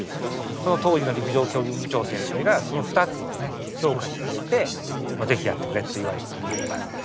その当時の陸上競技部長先生がその２つをね評価してくれて「是非やってくれ」と言われたんですね。